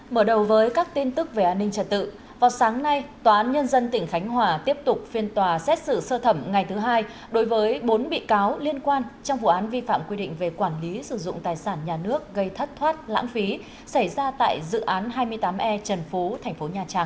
mở đầu với các tin tức về an ninh trật tự vào sáng nay tòa án nhân dân tỉnh khánh hòa tiếp tục phiên tòa xét xử sơ thẩm ngày thứ hai đối với bốn bị cáo liên quan trong vụ án vi phạm quy định về quản lý sử dụng tài sản nhà nước gây thất thoát lãng phí xảy ra tại dự án hai mươi tám e trần phú tp nhcm